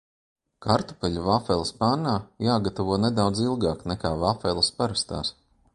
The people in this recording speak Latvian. Kartupeļu vafeles pannā jāgatavo nedaudz ilgāk nekā vafeles parastās.